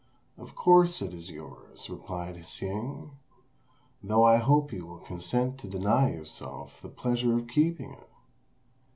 "Of course it is yours," replied Hsing, "though I hope you will consent to deny yourself the pleasure of keeping it."